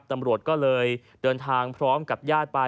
ตำรวจก็เลยเดินทางพร้อมกับญาติไป